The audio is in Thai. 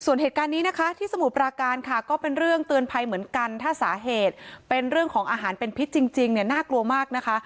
ส่วนเหตุการณ์นี้นะคะที่สมุทรปราการค่ะก็เป็นเรื่องเตือนภัยเหมือนกันถ้าสาเหตุเป็นเรื่องของอาหารเป็นพิษจริงเนี่ยน่ากลัวมากนะคะ